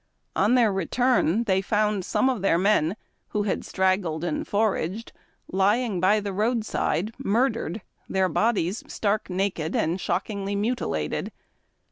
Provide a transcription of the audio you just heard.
On their return, they found some of their men, who had straggled and foraged, lying by the roadside murdered, their bodies stark naked and shockingly mutilated.